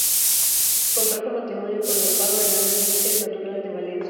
Contrajo matrimonio con Amparo Hernández Vicent, natural de Valencia.